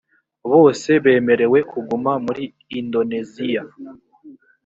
bose bemerewe kuguma muri indoneziya